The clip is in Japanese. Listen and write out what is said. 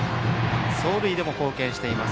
走塁でも貢献しています